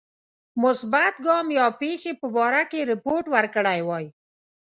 مثبت ګام یا پیښی په باره کې رپوت ورکړی وای.